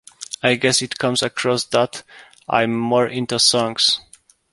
I guess it comes across that I'm more into songs.